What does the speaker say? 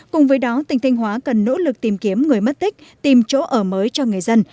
cùng với đó tỉnh thanh hóa cần nỗ lực tìm kiếm người mất tích tìm chỗ ở mới cho người dân